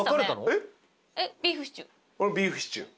えっビーフシチュー。